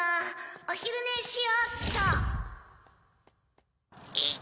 おひるねしよっと！